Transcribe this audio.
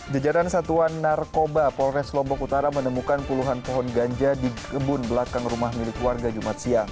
jajaran satuan narkoba polres lombok utara menemukan puluhan pohon ganja di kebun belakang rumah milik warga jumat siang